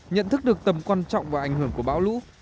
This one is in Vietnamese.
nhận thức được tầm quan trọng và ảnh hưởng của bão lũ